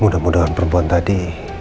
mudah mudahan perempuan tadi